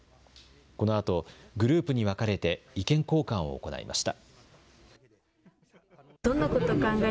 このあと、グループに分かれて意見交換を行いました。